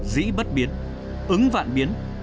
dĩ bất biến ứng vạn biến